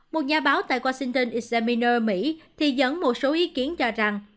một nhà báo tại washington isamine mỹ thì dẫn một số ý kiến cho rằng